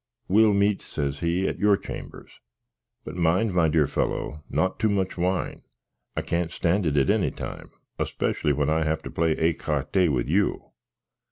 "We'll meet," says he, "at your chambers. But mind, my dear fello, not too much wine: I can't stand it at any time, especially when I have to play écarté with you."